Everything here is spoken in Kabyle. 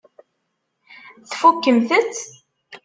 Tfukkemt-tt?